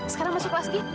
sekarang masuk kelas ya